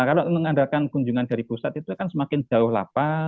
karena mengandalkan kunjungan dari pusat itu kan semakin jauh lapas